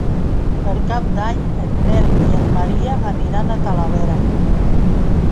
Per Cap d'Any en Nel i en Maria aniran a Talavera.